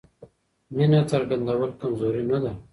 مینه څرګندول کمزوري نه ده.